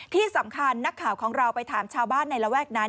ที่สำคัญนักข่าวของเราไปถามชาวบ้านในระแวกนั้น